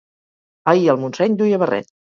Ahir el Montseny duia barret